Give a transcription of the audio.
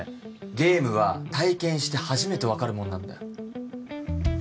ゲームは体験して初めて分かるもんなんだよ